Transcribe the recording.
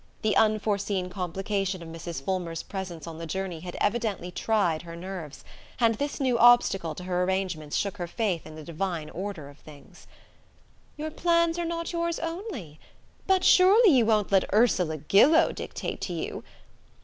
The unforeseen complication of Mrs. Fulmer's presence on the journey had evidently tried her nerves, and this new obstacle to her arrangements shook her faith in the divine order of things. "Your plans are not yours only? But surely you won't let Ursula Gillow dictate to you?...